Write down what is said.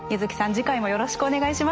次回もよろしくお願いします。